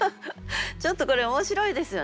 ちょっとこれ面白いですよね。